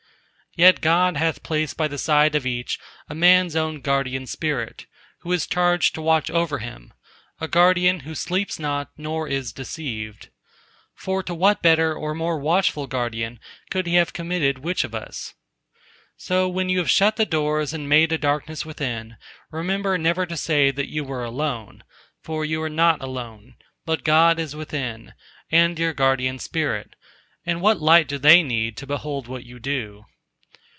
Yet God hath placed by the side of each a man's own Guardian Spirit, who is charged to watch over him—a Guardian who sleeps not nor is deceived. For to what better or more watchful Guardian could He have committed which of us? So when you have shut the doors and made a darkness within, remember never to say that you are alone; for you are not alone, but God is within, and your Guardian Spirit, and what light do they need to behold what you do?